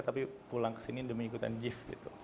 tapi pulang ke sini untuk mengikuti jiv